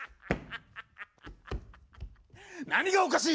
何がおかしい！